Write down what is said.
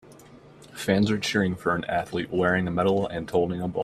Fans are cheering for an athlete wearing a medal and holding a ball.